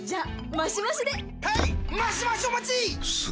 マシマシお待ちっ！！